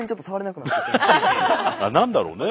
あれ何だろうね。